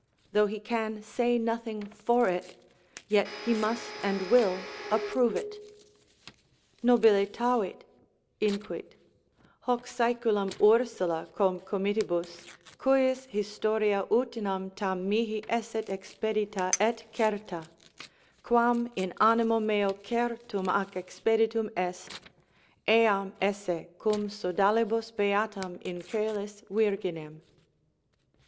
though he can say nothing for it, yet he must and will approve it: nobilitavit (inquit) hoc saeculum Ursula cum comitibus, cujus historia utinam tam mihi esset expedita et certa, quam in animo meo certum ac expeditum est, eam esse cum sodalibus beatam in coelis virginem.